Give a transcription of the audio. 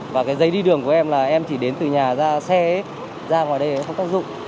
và cái giấy đi đường của em là em chỉ đến từ nhà ra xe ra vào đây không tác dụng